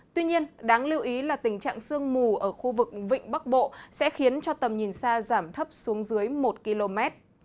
tuy nhiên đáng lưu ý là tình trạng sương mù ở khu vực vịnh bắc bộ sẽ khiến cho tầm nhìn xa giảm thấp xuống dưới một km